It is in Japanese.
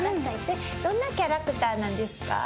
どんなキャラクターなんですか？